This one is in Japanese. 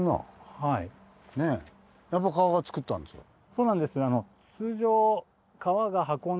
そうなんですね。